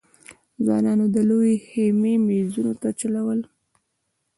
ځوانانو د لويې خېمې مېزونو ته چلول.